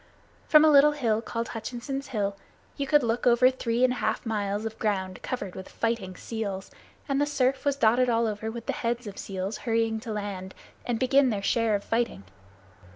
From a little hill called Hutchinson's Hill, you could look over three and a half miles of ground covered with fighting seals; and the surf was dotted all over with the heads of seals hurrying to land and begin their share of the fighting.